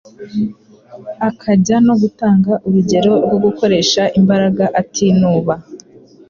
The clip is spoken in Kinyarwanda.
akajya no gutanga urugero rwo gukoresha imbaraga atinuba